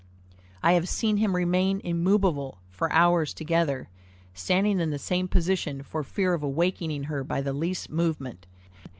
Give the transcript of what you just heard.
I have seen him remain immovable, for hours together, standing in the same position for fear of awakening her by the least movement.